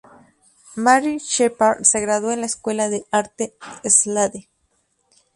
Mary Shepard se graduó en la Escuela de Arte Slade.